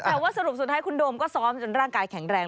แต่ว่าสรุปสุดท้ายคุณโดมก็ซ้อมจนร่างกายแข็งแรง